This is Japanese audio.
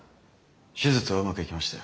手術はうまくいきましたよ。